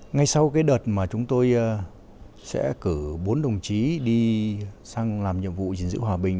ngay sau cái đợt mà chúng tôi sẽ cử bốn đồng chí đi sang làm nhiệm vụ gìn giữ hòa bình